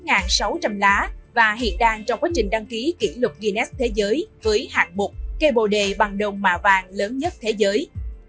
cây bồ đề đào tràng có bốn sáu trăm linh m hai và hiện đang trong quá trình đăng ký kỷ lục guinness thế giới với hạng một cây bồ đề bằng đồng mạ vàng lớn nhất thế giới